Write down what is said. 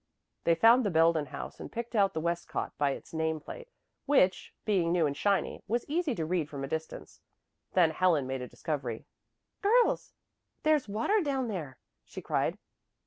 They found the Belden House, and picked out the Westcott by its name plate, which, being new and shiny, was easy to read from a distance. Then Helen made a discovery. "Girls, there's water down there," she cried.